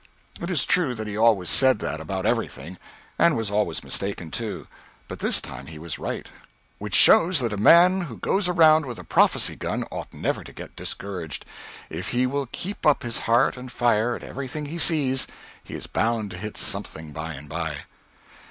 It is true that he always said that about everything and was always mistaken, too; but this time he was right; which shows that a man who goes around with a prophecy gun ought never to get discouraged; if he will keep up his heart and fire at everything he sees, he is bound to hit something by and by.